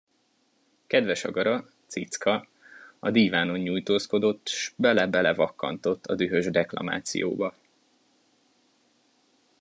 Kedves agara, Cicka, a dívánon nyújtózkodott s bele-belevakkantott a dühös deklamációba.